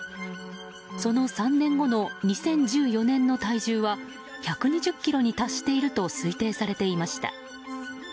その３年後の２０１４年の体重は１２０ｋｇに達していると推定されていました。